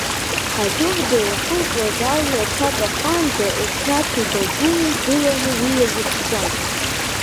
Адәыӷба иахылҵуаз алҩа аҽаҵәахаанӡа Еснаҭи Дадуи гыланы уи изыԥшуан.